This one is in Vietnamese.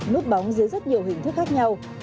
nút bóng dưới rất nhiều hình thức khác nhau